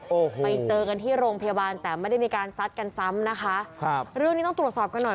โอ้โหไปเจอกันที่โรงพยาบาลแต่ไม่ได้มีการซัดกันซ้ำนะคะครับเรื่องนี้ต้องตรวจสอบกันหน่อย